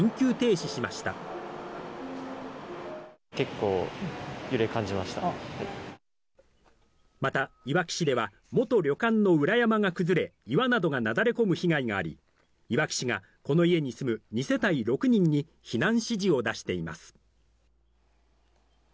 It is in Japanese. また、いわき市では元旅館の裏山が崩れ、岩などがなだれ込む被害があり、いわき市が、この家に住む２世帯６人に避難指示を出しています。